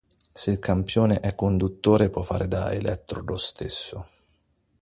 Se il campione è conduttore può fare da elettrodo stesso.